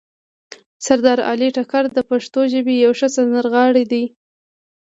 سردار علي ټکر د پښتو ژبې یو ښه سندرغاړی ده